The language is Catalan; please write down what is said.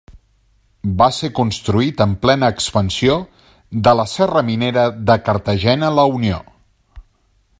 Va ser construït en plena expansió de la Serra minera de Cartagena-La Unió.